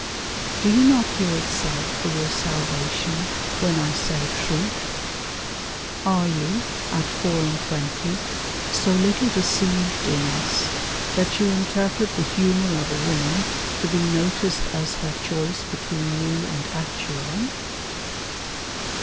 Do you not hear it said for your salvation, When I say truth? Are you, at four and twenty, So little deceived in us that you interpret The humor of a woman to be noticed As her choice between you and Acheron?